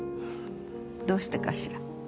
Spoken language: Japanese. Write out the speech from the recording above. どうしてかしら。